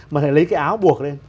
mà lại lấy cái áo buộc lên